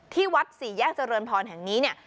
ที่วัดสี่แยกเจริญพรแห่งนี้เนี่ย